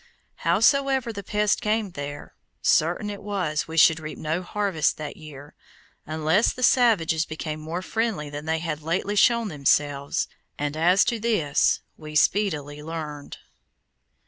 Howsoever the pests came there, certain it was we should reap no harvest that year, unless the savages became more friendly than they had lately shown themselves, and as to this we speedily learned.